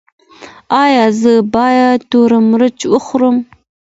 ایا زه باید تور مرچ وخورم؟